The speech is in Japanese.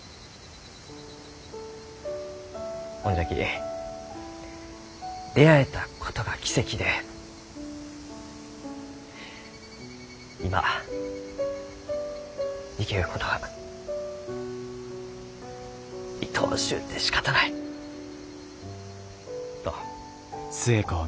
ほんじゃき出会えたことが奇跡で今生きることがいとおしゅうてしかたないと。